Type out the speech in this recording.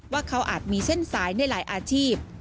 ว่าเขาอาจมีเส้นสายในหลายอาชีพ